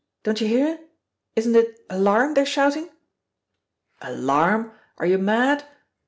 Don't you hear? Isn't it 'alarm!' they're shouting?" "Alarm? Are you mad?"